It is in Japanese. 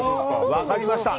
分かりました。